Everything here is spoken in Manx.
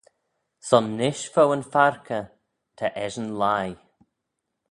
Son nish fo yn faarkey ta eshyn lhie.